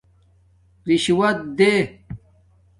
رِشوت دے